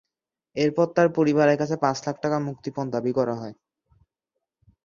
এরপর তাঁর পরিবারের কাছে পাঁচ লাখ টাকা মুক্তিপণ দাবি করা হয়।